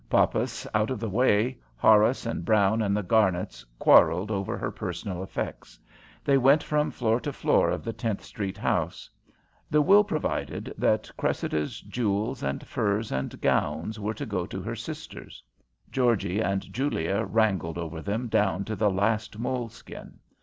Poppas out of the way, Horace and Brown and the Garnets quarrelled over her personal effects. They went from floor to floor of the Tenth Street house. The will provided that Cressida's jewels and furs and gowns were to go to her sisters. Georgie and Julia wrangled over them down to the last moleskin.